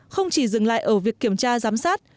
không chỉ dừng lại ở việc kiểm tra giám sát